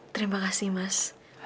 terima kasih mas